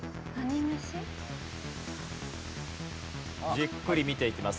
じっくり見ていきます。